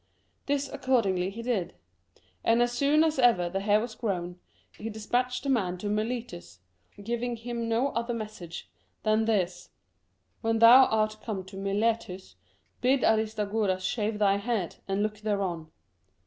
This accordingly he did ; and as soon as ever the hair was grown, he de spatched the man to Miletus, giving him no other message than this :* When thou art come to Miletus, bid Aristagoras shave thy head, and look thereon.'